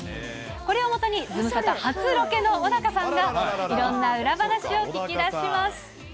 これをもとに、ズムサタ初ロケの小高さんがいろんな裏話を聞きだします。